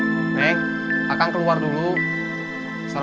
nanti kita berbincang